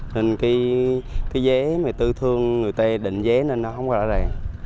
nên cái vé mà tư thương người tây định vé nên nó không có rã ràng